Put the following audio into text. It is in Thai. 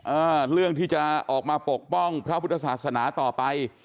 อ่าเรื่องที่จะออกมาปกป้องพระพุทธศาสนาต่อไป